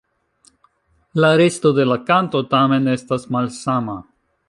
La resto de la kanto, tamen, estas malsama.